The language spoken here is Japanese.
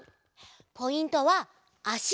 ポイントはあし。